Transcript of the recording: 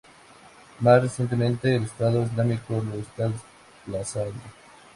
Más recientemente, el Estado Islámico los está desplazando.